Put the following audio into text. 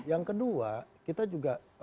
yang kedua kita juga